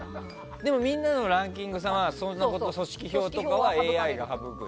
でも、みんなのランキングさんは組織票とかはＡＩが省く。